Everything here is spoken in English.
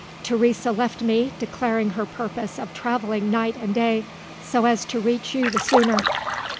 "Teresa left me, declaring her purpose of travelling night and day, so as to reach you the sooner.